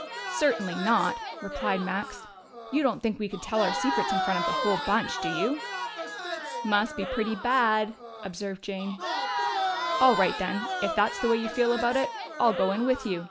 "Certainly not!" replied Max. "You don't think we could tell our secrets in front of the whole bunch, do you?" "Must be pretty bad," observed Jane. "All right, then, if that's the way you feel about it, I'll go in with you!"